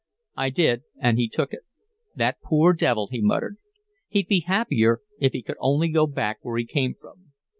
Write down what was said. I did and he took it. "That poor devil!" he muttered. "He'd be happier if he could only go back where he came from."